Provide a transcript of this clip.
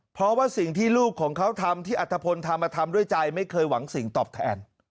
เพราะว่าสิ่งที่ลูกของเขาทำที่อัตภพลทำทำด้วยใจไม่เคยหวังสิ่งตอบแทน